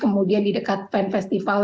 kemudian di dekat fan festival di aldo